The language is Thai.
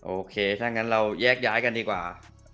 โอเคถ้างั้นเราแยกย้ายกันดีกว่า